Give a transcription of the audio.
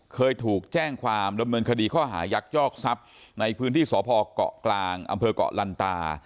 เคยถูกแจ้งความดำเนินคดีข้อหายักยอกทรัพย์ในพื้นที่สพเกาะกลางอำเภอกเกาะลันตา